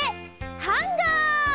ハンガー。